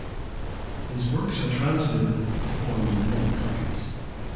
His works are translated and performed in many countries.